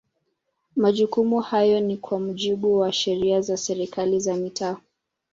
Majukumu hayo ni kwa mujibu wa Sheria za serikali za mitaa